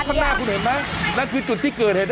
แล้วข้างหน้าคุณเห็นไหมแล้วคือจุดที่เกิดเห็น